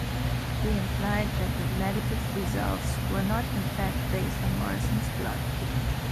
They implied that the negative results were not in fact based on Morrison's blood.